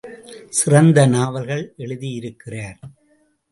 சிறந்த நாவல்கள் எழுதியிருக்கிறார்.